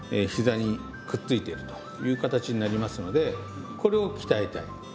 ひざにくっついているという形になりますのでこれを鍛えてあげる。